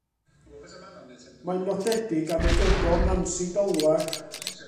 Mae'n nodedig am y gyfrol Nansi Dolwar.